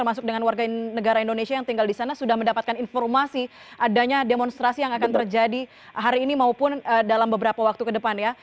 termasuk dengan warga negara indonesia yang tinggal di sana sudah mendapatkan informasi adanya demonstrasi yang akan terjadi hari ini maupun dalam beberapa waktu ke depan ya